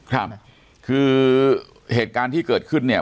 ครับคือเหตุการณ์ที่เกิดขึ้นเนี่ย